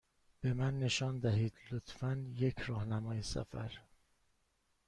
به من نشان دهید، لطفا، یک راهنمای سفر.